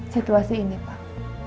situasi ini pak